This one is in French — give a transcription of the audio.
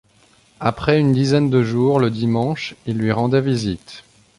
Après une dizaine de jours, le dimanche, il lui rendait visite.